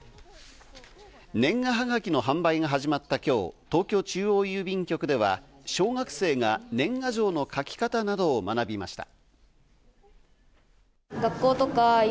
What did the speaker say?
年賀はがきの販売が始まった今日、東京中央郵便局では小学生が年賀状の書き方などを学びました。